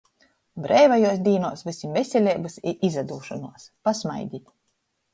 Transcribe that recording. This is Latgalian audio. Breivajuos dīnuos vysim veseleibys i izadūšonuos!!! Pasmaidit!